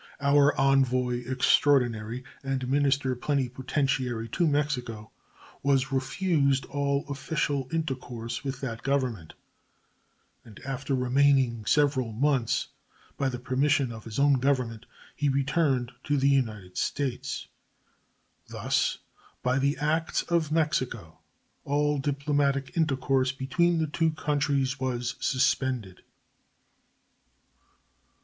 Our envoy extraordinary and minister plenipotentiary to Mexico was refused all official intercourse with that Government, and, after remaining several months, by the permission of his own Government he returned to the United States. Thus, by the acts of Mexico, all diplomatic intercourse between the two countries was suspended.